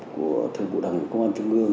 của thượng bộ đảng công an trung ương